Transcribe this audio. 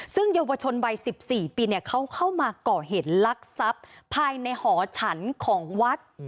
ซึ่งเยาวชนใบสิบสี่ปีเนี่ยเขาเข้ามาเกาะเหตุลักษณ์ภายในหอฉันของวัด